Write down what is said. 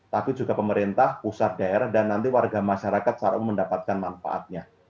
tapi juga pemerintah pusat daerah dan nanti warga masyarakat secara umum mendapatkan manfaatnya